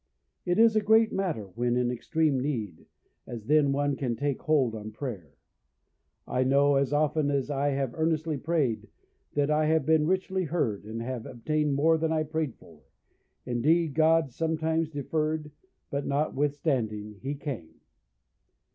It is a great matter when in extreme need, as then one can take hold on prayer. I know, as often as I have earnestly prayed, that I have been richly heard, and have obtained more than I prayed for; indeed, God sometimes deferred, but notwithstanding he came.